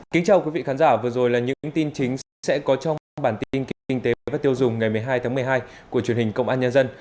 kính chào quý vị khán giả vừa rồi là những tin chính sẽ có trong bản tin kinh tế và tiêu dùng ngày một mươi hai tháng một mươi hai của truyền hình công an nhân dân